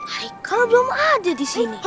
kalau belum ada di sini